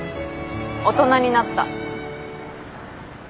大人になった。